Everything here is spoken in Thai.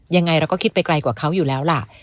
ยังไงเราก็คิดไปไกลกว่าเขาอยู่แล้วล่ะ